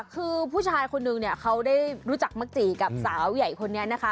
คือผู้ชายคนนึงเนี่ยเขาได้รู้จักมักจีกับสาวใหญ่คนนี้นะคะ